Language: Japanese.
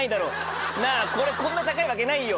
これこんな高いわけないよ。